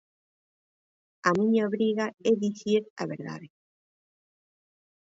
A miña obriga é dicir a verdade.